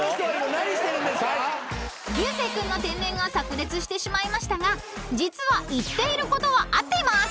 ［流星君の天然が炸裂してしまいましたが実は言っていることは合っています］